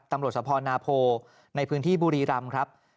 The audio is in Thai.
ตำรวจสภนาโพในพื้นที่บุรีรำครับ